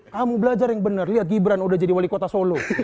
kamu belajar yang benar lihat gibran udah jadi wali kota solo